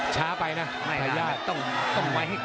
ช้าไปนะพยายาม